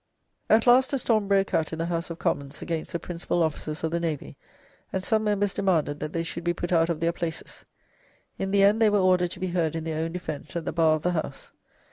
At last a storm broke out in the House of Commons against the principal officers of the navy, and some members demanded that they should be put out of their places. In the end they were ordered to be heard in their own defence at the bar of the House.